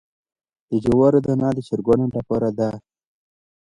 د جوارو دانه د چرګانو لپاره ده.